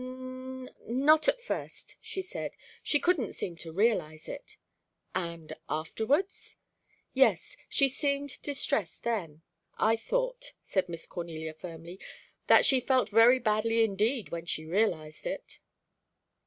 "N not at first," she said. "She couldn't seem to realize it." "And afterwards?" "Yes, she seemed distressed then. I thought," said Miss Cornelia firmly "that she felt very badly indeed when she realized it."